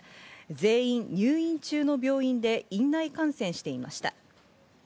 全員、入院中の病院で院内感染していました。